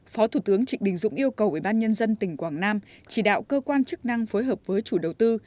phó thủ tướng trịnh đình dũng yêu cầu ủy ban nhân dân tỉnh quảng nam chỉ đạo cơ quan chức năng phối hợp với chủ đầu tư